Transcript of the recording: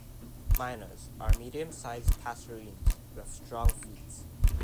Mynas are medium-sized passerines with strong feet.